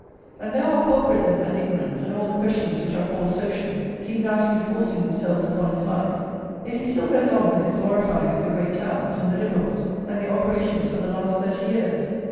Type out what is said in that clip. And though our pauperism and ignorance, and all the questions which are called social, seem now to be forcing themselves upon his mind, yet he still goes on with his glorifying of the great towns, and the Liberals, and their operations for the last thirty years.